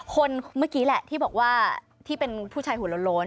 คนเมื่อกี้แหละที่บอกว่าที่เป็นผู้ชายหัวโล้น